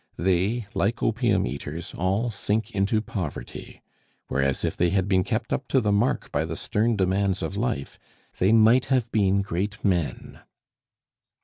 They, like opium eaters, all sink into poverty, whereas if they had been kept up to the mark by the stern demands of life, they might have been great men.